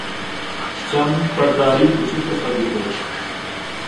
چم پرداری کچک ءَ سگّیتگ